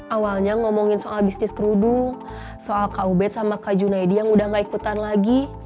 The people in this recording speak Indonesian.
awalnya ngomongin soal bisnis kerudu soal kak ubed sama kak junaidi yang udah gak ikutan lagi